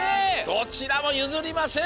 どちらもゆずりません。